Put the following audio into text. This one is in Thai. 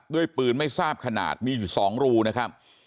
ด้วยปืนไม่ทราบขนาดมีอยู่๒รูนะครับ